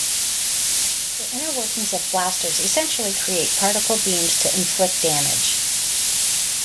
The inner workings of blasters essentially create particle beams to inflict damage.